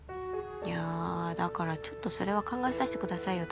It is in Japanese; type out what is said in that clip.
いやーだからちょっとそれは考えさせてくださいよ